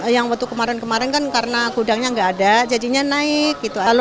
yang waktu kemarin kemarin kan karena kudangnya enggak ada jadinya naik